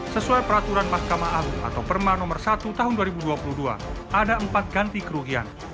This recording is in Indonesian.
sesuai peraturan mahkamah agung atau perma nomor satu tahun dua ribu dua puluh dua ada empat ganti kerugian